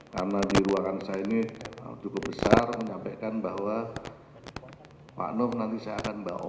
karena di ruangan saya ini cukup besar menyampaikan bahwa pak noem nanti saya akan bawa